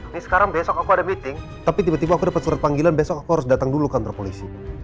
ini sekarang besok aku ada meeting tapi tiba tiba aku dapat surat panggilan besok aku harus datang dulu kantor polisi